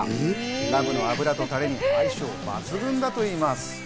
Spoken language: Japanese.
ラムの脂とタレに相性抜群だといいます。